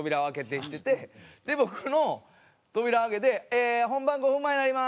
で僕の扉開けて「ええ本番５分前になります」。